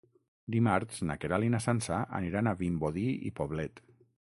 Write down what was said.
Dimarts na Queralt i na Sança aniran a Vimbodí i Poblet.